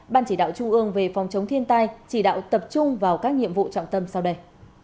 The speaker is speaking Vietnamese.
ban chỉ đạo trung ương về phòng chống thiên tai chỉ đạo tập trung vào các nhiệm vụ trọng tâm sau đây